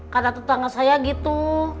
karena tetangga saya gitu